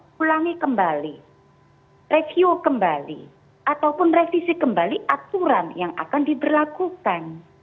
ulangi kembali review kembali ataupun revisi kembali aturan yang akan diberlakukan